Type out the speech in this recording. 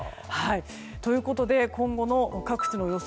ということで今後の各地の予想